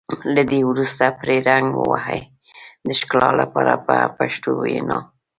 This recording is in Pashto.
له دې وروسته پرې رنګ ووهئ د ښکلا لپاره په پښتو وینا.